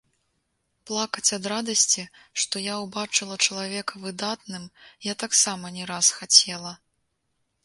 Плакаць ад радасці, што я ўбачыла чалавека выдатным, я таксама не раз хацела.